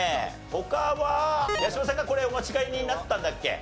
他は八嶋さんがこれお間違えになったんだっけ？